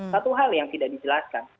satu hal yang tidak dijelaskan